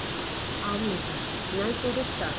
ああ見えてナイトドクターなんだよ。